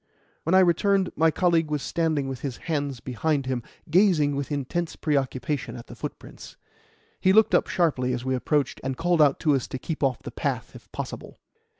When I returned, my colleague was standing with his hands behind him, gazing with intense preoccupation at the footprints. He looked up sharply as we approached, and called out to us to keep off the path if possible.